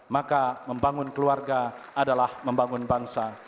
maka membangun keluarga adalah membangun bangsa